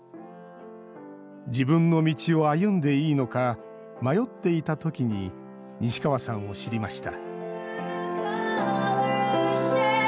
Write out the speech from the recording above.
自分の道を歩んでいいのか迷っていたときに西川さんを知りました。